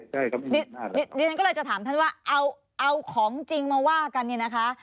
เดี๋ยวท่านก็เลยจะถามท่านว่าเอาของจริงมาว่ากันเนี่ยนะคะ